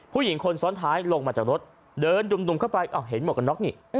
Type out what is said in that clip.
ผู้หญิงคนซ้อนท้ายลงมาจากรถเดินดุ่มเข้าไปเห็นหมวกกันน็อกนี่